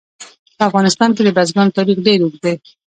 په افغانستان کې د بزګانو تاریخ ډېر اوږد دی.